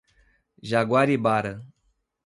Jaguaribara